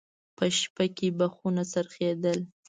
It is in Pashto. په شپه کې به خونه څرخېدل.